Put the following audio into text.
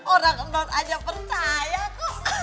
orang non aja percaya kok